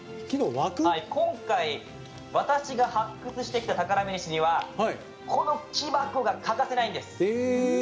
今回、私が発掘してきた宝メシにはこの木箱が欠かせないんです。